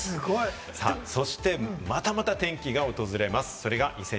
そして、またまた転機が訪れます。